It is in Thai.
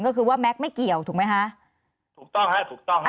ก็คือว่าแก๊กไม่เกี่ยวถูกไหมคะถูกต้องฮะถูกต้องฮะ